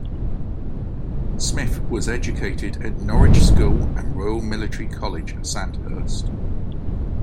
Smith was educated at Norwich School and Royal Military College, Sandhurst.